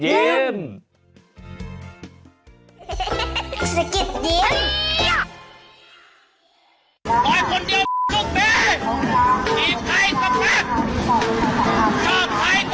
ชอบใครก็รักชอบใครก็ได้แค่พี่ญาติพี่น้อง